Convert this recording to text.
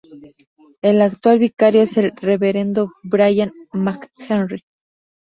El actual Vicario es el reverendo Brian McHenry.